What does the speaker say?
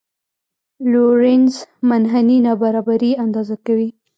لورینز منحني نابرابري اندازه کوي.